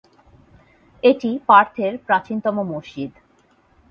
এটি পার্থের প্রাচীনতম মসজিদ।